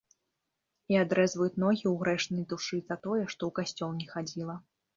І адрэзваюць ногі ў грэшнай душы за тое, што ў касцёл не хадзіла.